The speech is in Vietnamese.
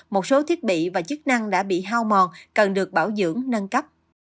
một số thiết bị và chức năng đã bị hao mòn cần được bảo dưỡng nâng cấp